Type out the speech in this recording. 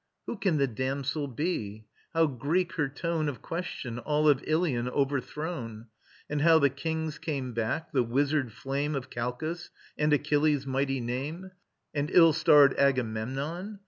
Who can the damsel be? How Greek her tone Of question, all of Ilion overthrown, And how the kings came back, the wizard flame Of Calchas, and Achilles' mighty name, And ill starred Agamemnon.